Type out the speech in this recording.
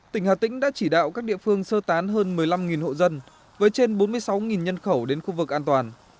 tỉnh hà tĩnh đã chỉ đạo các địa phương sơ tán hơn một mươi năm hộ dân với trên bốn mươi sáu nhân khẩu đến khu vực an toàn